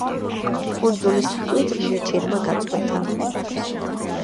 კუნძულის მკვიდრნი ჭირმა გაწყვიტა.